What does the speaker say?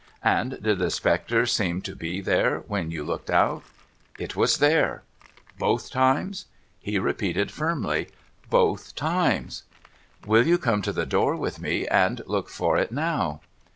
' And did the spectre seem to be there, when you looked out ?'' It WAS there.' ' Both times ?' He repeated firmly :' Both times.' ' W^ill you come to the door with me, and look for it now